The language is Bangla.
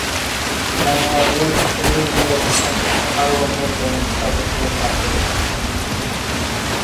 বাংলাদেশ, উরুগুয়ে এবং সংযুক্ত আরব আমিরাত ব্যাংকটির সদস্যপদ লাভ করেছে।